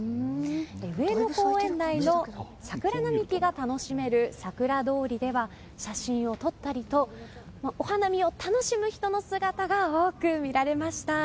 上野公園内の桜並木が楽しめる桜通りでは写真を撮ったりとお花見を楽しむ人の姿が多く見られました。